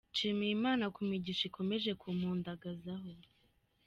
Nshimiye Imana ku migisha ikomeje kumpundagazaho!”.